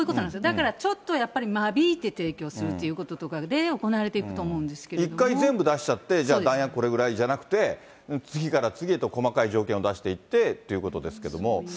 だからちょっとやっぱり間引いて提供するということとかで行われ一回全部出しちゃって、じゃあ弾薬これぐらいじゃなくて、次から次へと細かい条件を出していってということですけども。